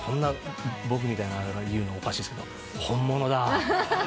僕みたいなあれが言うのおかしいですが「本物だ。